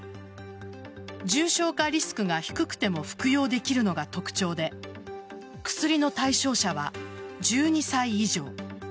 重症化リスクが低くても服用できるのが特徴で薬の対象者は１２歳以上。